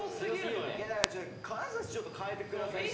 いやだからちょっと金指ちょっと変えてくださいよ。